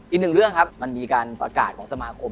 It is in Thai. อีกหนึ่งเรื่องครับมันมีการประกาศของสมาคม